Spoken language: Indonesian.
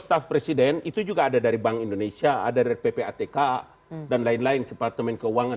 staff presiden itu juga ada dari bank indonesia ada dari ppatk dan lain lain departemen keuangan